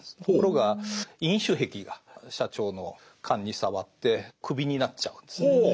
ところが飲酒癖が社長のかんに障ってクビになっちゃうんですね。